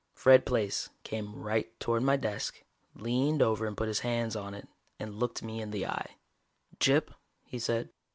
Fred Plaice came right toward my desk, leaned over and put his hands on it, and looked me in the eye. "Gyp," he said.